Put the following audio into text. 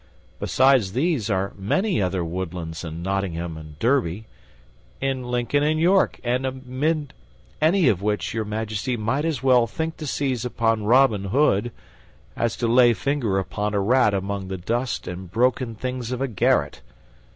Beside these are many other woodlands in Nottingham and Derby, Lincoln and York, amid any of which Your Majesty might as well think to seize upon Robin Hood as to lay finger upon a rat among the dust and broken things of a garret.